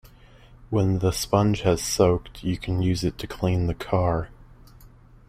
When the sponge has soaked, you can use it to clean the car.